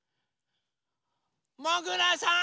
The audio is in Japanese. もぐらさん！